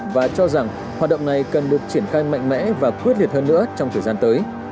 và cho rằng hoạt động này cần được triển khai mạnh mẽ và quyết liệt hơn nữa trong thời gian tới